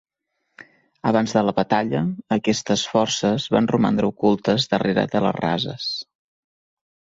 Abans de la batalla, aquestes forces van romandre ocultes darrere de les rases.